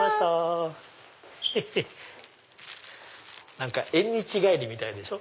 何か縁日帰りみたいでしょ。